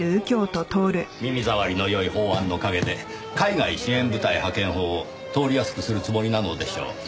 耳障りのよい法案の陰で海外支援部隊派遣法を通りやすくするつもりなのでしょう。